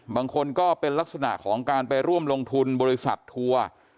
บางคนก็เป็นลักษณะของการไปร่วมลงทุนบริษัททัวร์